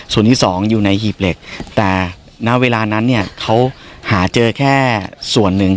ส่วนที่สองอยู่ในหีบเหล็กแต่ณเวลานั้นเนี่ยเขาหาเจอแค่ส่วนหนึ่ง